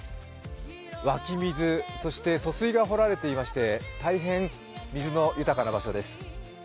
湧き水、疎水が掘られていまして大変、水の豊かな場所です。